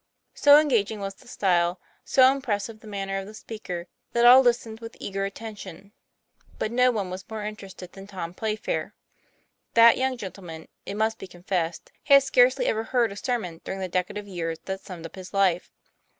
So engaging was the style, so impressive the man ner of the speaker, that all listened with eager atten tion. But no one was more interested than Tom Playfair. That young gentleman, it must be con fessed, had scarcely ever heard a sermon during the decade of years that summed up his life.